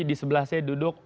di sebelah saya duduk